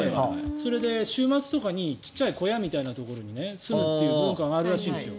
それで週末とかにちっちゃい小屋みたいなところに住む文化があるらしいんですよ。